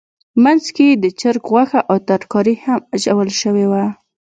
منځ کې یې د چرګ غوښه او ترکاري هم اچول شوې وه.